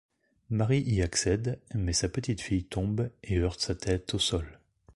Marie y accède, mais sa petite-fille tombe et heurte sa tête au sol.